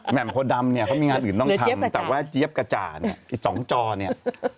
มโพดำเนี่ยเขามีงานอื่นต้องทำแต่ว่าเจี๊ยบกระจ่าเนี่ยไอ้สองจอเนี่ย